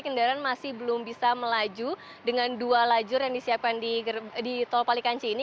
kendaraan masih belum bisa melaju dengan dua lajur yang disiapkan di tol palikanci ini